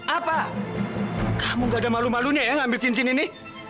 apa kamu gak ada malu malunya ya ngambil cincin ini